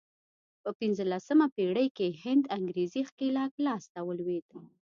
په پنځلسمه پېړۍ کې هند انګرېزي ښکېلاک لاس ته ولوېد.